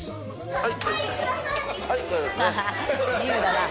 はい。